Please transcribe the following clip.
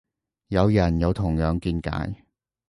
有人有同樣見解